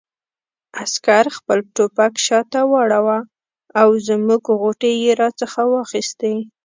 عسکر خپل ټوپک شاته واړاوه او زموږ غوټې یې را څخه واخیستې.